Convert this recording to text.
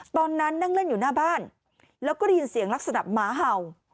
ตอนนั้นนั่งเล่นอยู่หน้าบ้านแล้วก็ได้ยินเสียงลักษณะหมาเห่า